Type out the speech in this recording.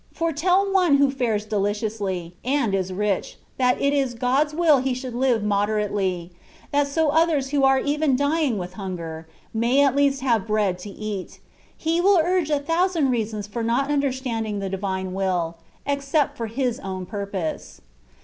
For tell one who fares deliriously, and it rich, that it is God^s will he should live mode rately, that so others who are even dying with hunger, may at least have bread to eat. He will urge a thoussmd reasons for not understanding the divine will, except for his own purpose.